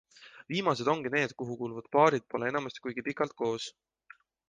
Viimased ongi need, kuhu kuuluvad paarid pole enamasti kuigi pikalt koos.